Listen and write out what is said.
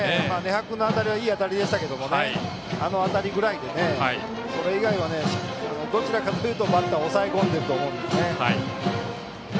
禰覇君の当たりはいい当たりでしたがあの当たりぐらいでそれ以外は、どちらかというとバッターを抑え込んでいると思うのでね。